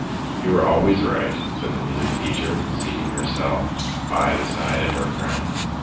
"You are always right," said the music teacher, seating herself by the side of her friend.